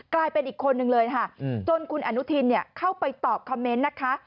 กลายเป็นอีกคนนึงเลยค่ะจนคุณอนุทินเข้าไปตอบคอมเมนต์นะคะ